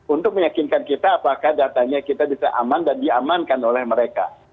untuk meyakinkan kita apakah datanya kita bisa aman dan diamankan oleh mereka